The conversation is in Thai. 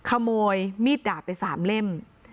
ขโมยวิดดาบไว้สามเล่ม